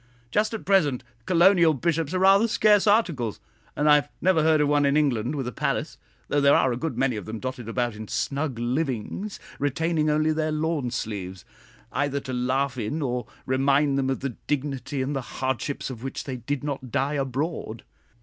"Just at present colonial bishops are rather scarce articles, and I have never heard of one in England with a palace, though there are a good many of them dotted about in snug livings, retaining only their lawn sleeves, either to laugh in or remind them of the dignity and the hardships of which they did not die abroad.